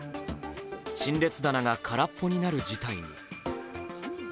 陳列棚が空っぽになる事態に。